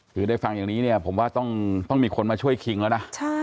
คือได้ฟังอย่างนี้เนี่ยผมว่าต้องมีคนมาช่วยคิงแล้วนะ